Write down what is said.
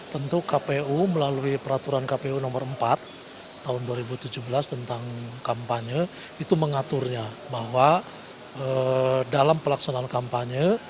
tentu kpu melalui peraturan kpu nomor empat tahun dua ribu tujuh belas tentang kampanye itu mengaturnya bahwa dalam pelaksanaan kampanye